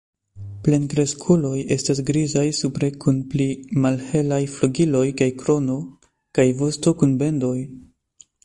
Plenkreskuloj estas grizaj supre kun pli malhelaj flugiloj kaj krono, kaj vosto kun bendoj.